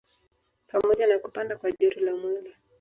Pamoja na kupanda kwa joto la mwili